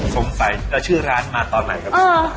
สงสัยจะชื่อร้านมาตอนไหนครับ